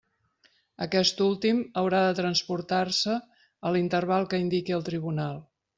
Aquest últim haurà de transportar-se a l'interval que indique el tribunal.